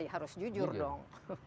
harus jujur dong